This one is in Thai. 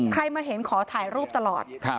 มาเห็นขอถ่ายรูปตลอด